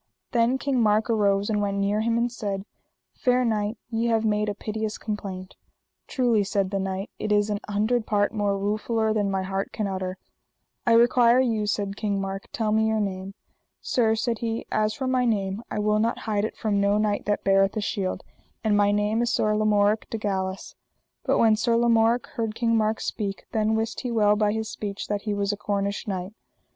Then King Mark arose and went near him and said: Fair knight, ye have made a piteous complaint. Truly, said the knight, it is an hundred part more ruefuller than my heart can utter. I require you, said King Mark, tell me your name. Sir, said he, as for my name I will not hide it from no knight that beareth a shield, and my name is Sir Lamorak de Galis. But when Sir Lamorak heard King Mark speak, then wist he well by his speech that he was a Cornish knight.